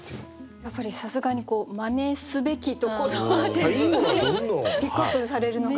やっぱりさすがに真似すべきところはピックアップされるのがお得意ですね。